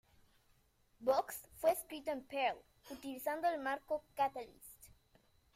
Vox fue escrito en Perl, utilizando el marco Catalyst.